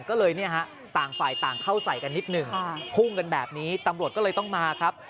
ก็เลยเนี่ยฮะต่างฝ่ายต่างเข้าใส่กันนิดหนึ่งพุ่งกันแบบนี้ตำรวจก็เลยต้องมาครับ